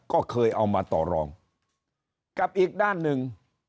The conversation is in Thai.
ก็เคยเอามาต่อรองกับอีกด้านหนึ่ง